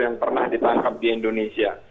yang pernah ditangkap di indonesia